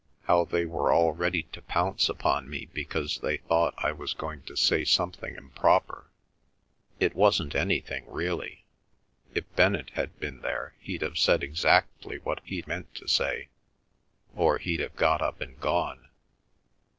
How they were all ready to pounce upon me because they thought I was going to say something improper? It wasn't anything, really. If Bennett had been there he'd have said exactly what he meant to say, or he'd have got up and gone.